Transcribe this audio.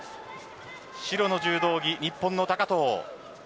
白の柔道着、日本の高藤。